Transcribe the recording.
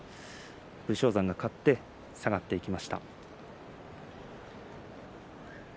武将山が勝って下がっていきました。